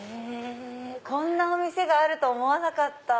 こんなお店があると思わなかった。